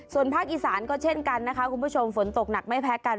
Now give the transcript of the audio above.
ส่วนภาคอีสานก็เช่นกันนะคะคุณผู้ชมฝนตกหนักไม่แพ้กัน